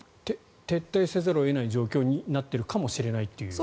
撤退せざるを得ない状況になっているかもしれないという。